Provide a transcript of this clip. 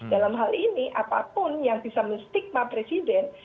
dalam hal ini apapun yang bisa menstigma presiden